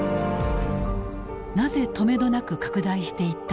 なぜとめどなく拡大していったのか。